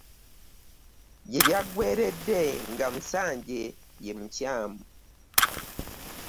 Gye byaggweeredde nga Musanje ye mukyamu.